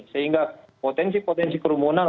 sehingga potensi potensi kerumunan